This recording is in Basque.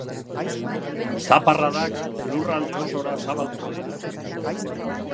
Zaparradak lurralde osora zabalduko dira.